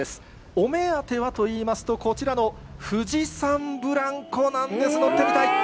お目当てはといいますと、こちらの富士山ブランコなんです。